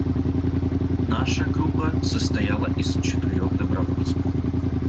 Наша группа состояла из четырех добровольцев.